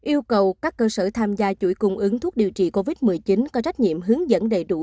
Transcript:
yêu cầu các cơ sở tham gia chuỗi cung ứng thuốc điều trị covid một mươi chín có trách nhiệm hướng dẫn đầy đủ